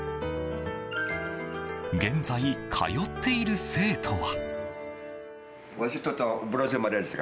現在、通っている生徒は。